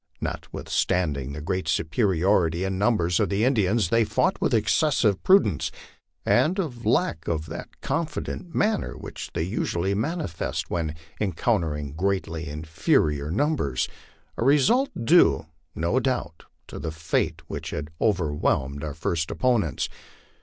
Notwithstanding the great superiority in numbers of the Indians, they fought with excessive prudence and a lack of that confident manner which they usually manifest when encountering greatly inferior num bers a result due, no doubt, to the fate which had overwhelmed our first op ponents.